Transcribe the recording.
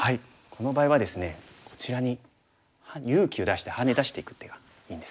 この場合はですねこちらに勇気を出してハネ出していく手がいいんですね。